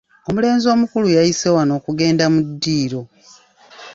Omulenzi omukulu yayise wano okugenda mu ddiiro.